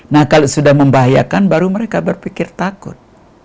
nah kalau sudah membahayakan baru mereka berpikir takut